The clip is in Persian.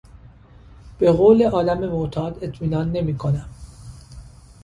به قول آدم معتاد اطمینان نمیکنم.